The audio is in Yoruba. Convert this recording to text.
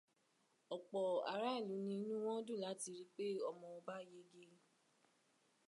Ọ̀pọ̀ aráàlú ni inú wọn dun láti ri pé ọmọ ọba yege.